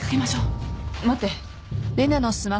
待って。